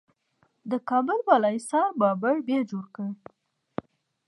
د کابل بالا حصار د بابر بیا جوړ کړ